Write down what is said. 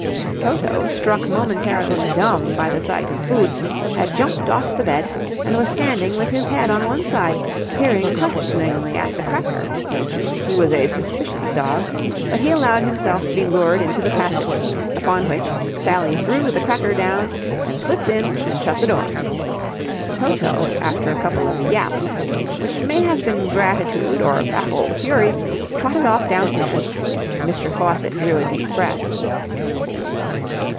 Toto, struck momentarily dumb by the sight of food, had jumped off the bed and was standing with his head on one side, peering questioningly at the cracker. He was a suspicious dog, but he allowed himself to be lured into the passage, upon which Sally threw the cracker down and slipped in and shut the door. Toto, after a couple of yaps, which may have been gratitude or baffled fury, trotted off downstairs, and Mr. Faucitt drew a deep breath.